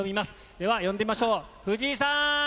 では呼んでみましょう。